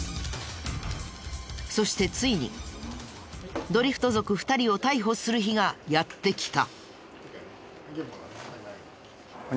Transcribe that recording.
そしてついにドリフト族２人を逮捕する日がやって来た。